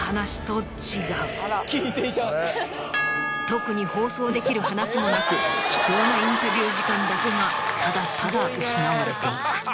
特に放送できる話もなく貴重なインタビュー時間だけがただただ失われていく。